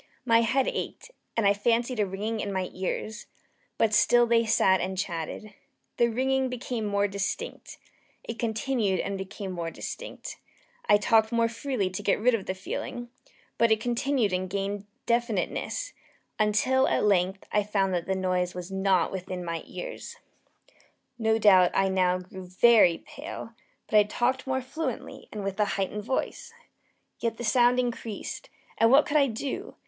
My head ached, and I fancied a ringing in my ears: but still they sat and still chatted. The ringing became more distinct: It continued and became more distinct: I talked more freely to get rid of the feeling: but it continued and gained definiteness until, at length, I found that the noise was not within my ears. No doubt I now grew very pale; but I talked more fluently, and with a heightened voice. Yet the sound increased and what could I do?